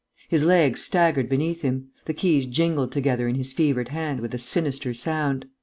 His legs staggered beneath him. The keys jingled together in his fevered hand with a sinister sound.